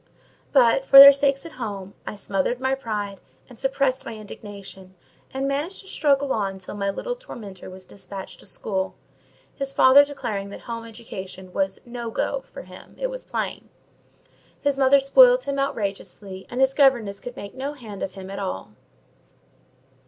But, for their sakes at home, I smothered my pride and suppressed my indignation, and managed to struggle on till my little tormentor was despatched to school; his father declaring that home education was "no go for him, it was plain; his mother spoiled him outrageously, and his governess could make no hand of him at all."